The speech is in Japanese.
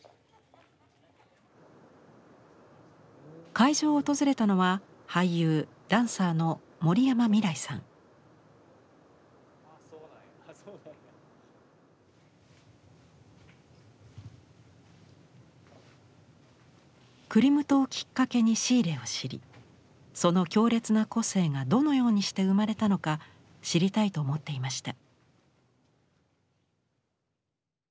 会場を訪れたのはクリムトをきっかけにシーレを知りその強烈な個性がどのようにして生まれたのか知りたいと思っていました。